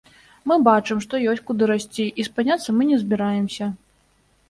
Мы бачым, што ёсць, куды расці, і спыняцца мы не збіраемся.